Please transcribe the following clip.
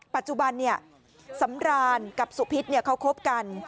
ปัจจุบันเนี่ยสำรานกับสุพิษเนี่ยเขาคบกัน